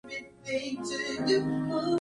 La piña y melones son otras cosechas importantes.